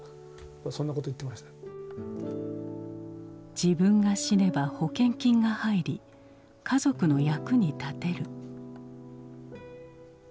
自分が死ねば保険金が入り家族の役に立てる。